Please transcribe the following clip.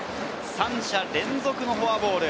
３者連続フォアボール。